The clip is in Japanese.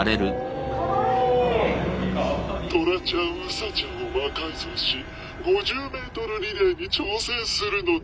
「トラちゃんウサちゃんを魔改造し５０ｍリレーに挑戦するのだ」。